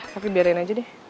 tapi biarin aja deh